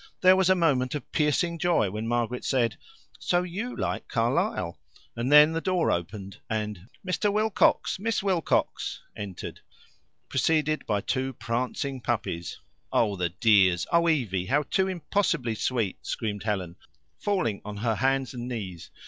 There was a moment of piercing joy when Margaret said, "So YOU like Carlyle," and then the door opened, and "Mr. Wilcox, Miss Wilcox" entered, preceded by two prancing puppies. "Oh, the dears! Oh, Evie, how too impossibly sweet!" screamed Helen, falling on her hands and knees.